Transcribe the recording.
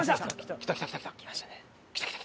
来た来た来た来た。